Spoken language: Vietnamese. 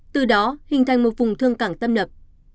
từ đó hình thành một vùng thương cảng tâm nập